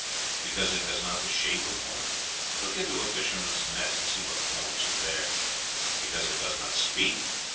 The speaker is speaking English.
Because it has not the shape of one?.... Look into a fisherman's net, and see what forms are there! Because it does not speak?....